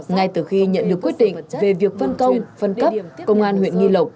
ngay từ khi nhận được quyết định về việc phân công phân cấp công an huyện nghi lộc